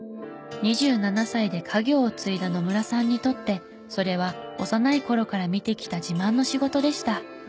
２７歳で家業を継いだ野村さんにとってそれは幼い頃から見てきた自慢の仕事でした。